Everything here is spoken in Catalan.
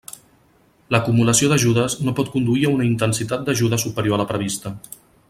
L'acumulació d'ajudes no pot conduir a una intensitat d'ajuda superior a la prevista.